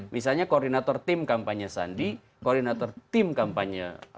misalnya koordinator tim kampanye sandi koordinator tim kampanye